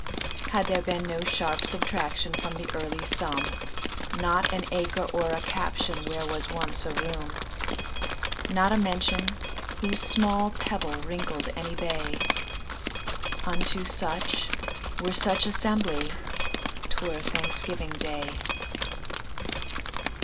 Had there been no sharp subtractionFrom the early sum, Not an acre or a captionWhere was once a room, Not a mention, whose small pebbleWrinkled any bay,—Unto such, were such assembly,'T were Thanksgiving day.